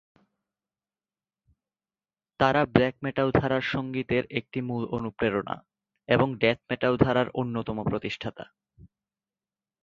তারা black metal ধারার সংগীতের একটি মূল অনুপ্রেরণা ও অন্যতম প্রতিষ্ঠাতা ডেথ মেটাল ধারার।